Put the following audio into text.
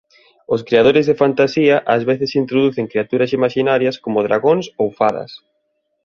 Os creadores de fantasía ás veces introducen criaturas imaxinarias como dragóns ou fadas.